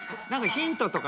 ヒント。